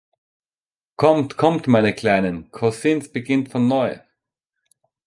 Kommt, kommt, meine kleinen Cousins, beginnt von neu!